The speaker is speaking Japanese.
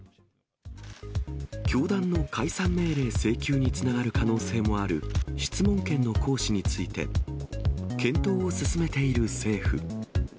教団の解散命令請求につながる可能性もある質問権の行使について検討を進めている政府。